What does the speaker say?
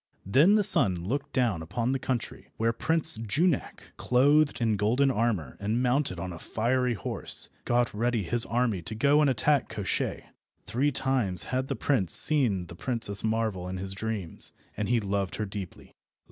Then the sun looked down upon the country where Prince Junak, clothed in golden armour and mounted on a fiery horse, got ready his army to go and attack Koshchei. Three times had the prince seen the Princess Marvel in his dreams, and he loved her deeply.